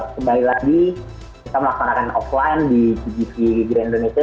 kembali lagi kita melaksanakan offline di tgc grand indonesia